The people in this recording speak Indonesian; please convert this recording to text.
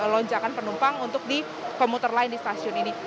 lonjakan penumpang untuk di komuter lain di stasiun ini